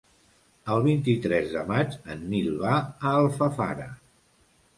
El vint-i-tres de maig en Nil va a Alfafara.